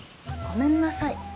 ごめんなさい